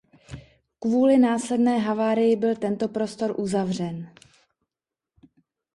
Kvůli následné havárii byl tento prostor uzavřen.